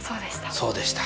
そうでした。